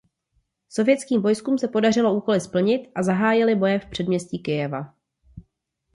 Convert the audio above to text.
Sovětským vojskům se podařilo úkoly splnit a zahájili boje v předměstí Kyjeva.